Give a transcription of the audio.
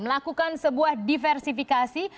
melakukan sebuah diversifikasi